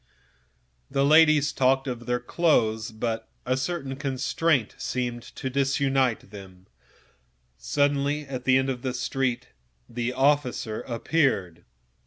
The ladies talked of dress, but a certain constraint seemed to prevail among them. Suddenly, at the end of the street, the officer appeared.